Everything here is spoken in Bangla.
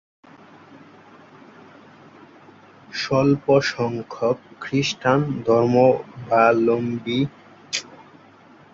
স্বল্পসংখ্যক খ্রিস্টান ধর্মাবলম্বীদের মধ্যে তিনিও ছিলেন একজন, যিনি পাকিস্তান ক্রিকেট দলের হয়ে আন্তর্জাতিক ক্রিকেটে অংশগ্রহণ করেছেন।